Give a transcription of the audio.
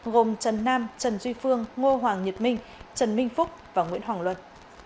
gồm trần nam trần duy phương ngô hoàng nhật minh trần minh phúc và nguyễn hoàng luân